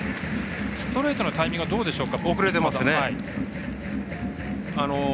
ストレートのタイミングどうでしょうか？